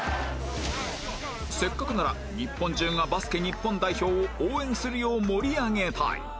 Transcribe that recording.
せっかくなら日本中がバスケ日本代表を応援するよう盛り上げたい